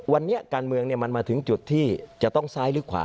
วันนี้การเมืองมันมาถึงจุดที่จะต้องซ้ายหรือขวา